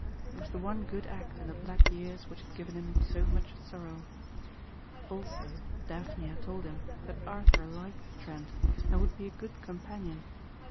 It was the one good act in the black years which had given him so much sorrow. Also Daphne had told him that Arthur liked Trent and would be a good companion.